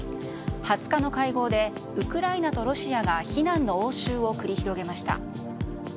２０日の会合でウクライナとロシアが非難の応酬を繰り広げました。